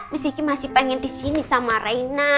miski masih pengen disini sama reina